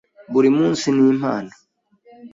Buri munsi ni impano.